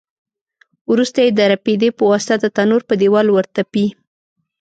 وروسته یې د رپېدې په واسطه د تنور په دېوال ورتپي.